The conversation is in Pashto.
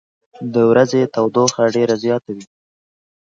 د ورځې تودوخه ډېره زیاته وه.